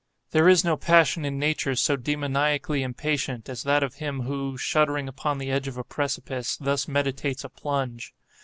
There is no passion in nature so demoniacally impatient, as that of him who, shuddering upon the edge of a precipice, thus meditates a plunge.